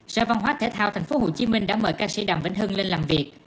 sở văn hóa thể thao tp hcm đã mời ca sĩ đàm vĩnh hưng lên làm việc